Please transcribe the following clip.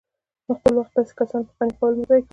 نو خپل وخت د داسي كسانو په قانع كولو مه ضايع كوه